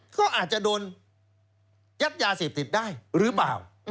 ก็อาจจะโดนยัดยาเสพติดได้หรือเปล่า